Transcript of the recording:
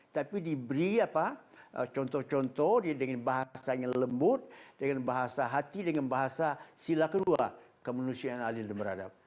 tapi diberi contoh contoh dengan bahasanya lembut dengan bahasa hati dengan bahasa sila kedua kemanusiaan adil dan beradab